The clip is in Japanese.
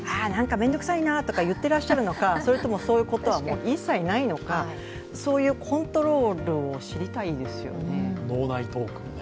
めんどくさいなと言ってらっしゃるとか、それとも一切ないのか、そういうコントロールを知りたいですよね。